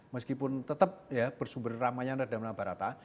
meskipun tetap bersumber ramai yang ada dalam barang